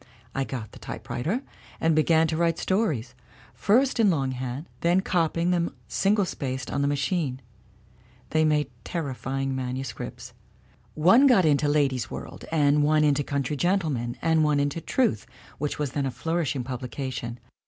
I got the typewriter and began to write stories, first in longhand, then copying them single spaced on the machine; they made terrifying manuscripts. One got into the Ladies' World, and one into the Country Gen tleman, and one into Truth, which was then a flourish ing publication.